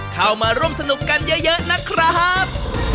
เข้ามาร่วมสนุกกันเยอะนะครับ